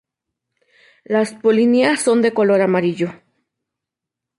Las polinias son de color amarillo.